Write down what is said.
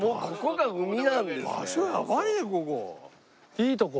いいとこ。